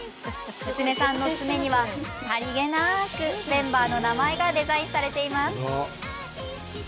娘さんの爪にはさりげなくメンバーの名前がデザインされています。